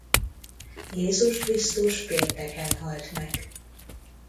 Jézus Krisztus pénteken halt meg.